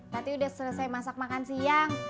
tadi udah selesai masak makan siang